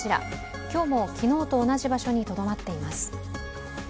今日も昨日と同じ場所にとどまっています。